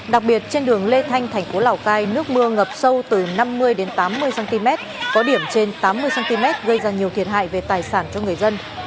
đặc biệt trên đường lê thanh thành phố lào cai nước mưa ngập sâu từ năm mươi đến tám mươi cm có điểm trên tám mươi cm gây ra nhiều thiệt hại về tài sản cho người dân